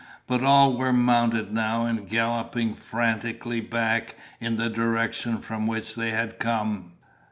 But all were mounted now and galloping frantically back in the direction from which they had come.